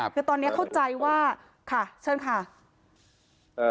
คือตอนนี้เข้าใจว่าค่ะเชิญค่ะ